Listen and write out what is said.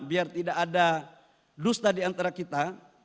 biar tidak ada dusta di antara kita